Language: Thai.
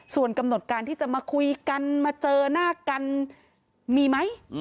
ส่วนกำหนดการที่จะมาคุยกันมาเจอหน้ากันมีไหม